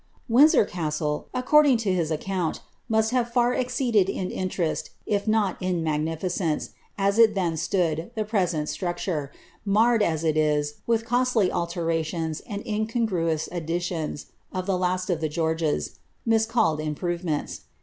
Windsor Castle, according to his account, must haye far exceeded in interest, if not in magnificence, as it then stood, the present structure, marred as it is, with the costly alterations and Incongruous additions, of the last of the Qeorges, miscalled improvements.